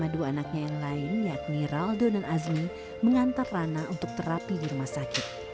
dua anaknya yang lain yakni raldo dan azmi mengantar rana untuk terapi di rumah sakit